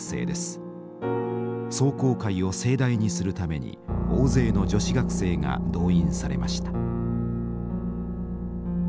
壮行会を盛大にするために大勢の女子学生が動員されました。